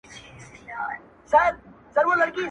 له ورک یوسفه تعبیرونه غوښتل؛